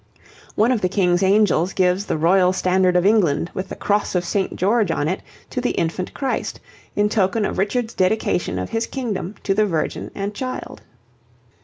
One of the King's angels gives the Royal Standard of England with the Cross of St. George on it to the Infant Christ in token of Richard's dedication of his kingdom to the Virgin and Child.